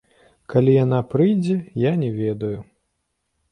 Калі яна прыйдзе, я не ведаю.